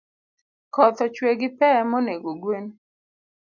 Koth ochue gi pe monego gwen